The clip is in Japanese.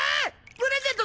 プレゼント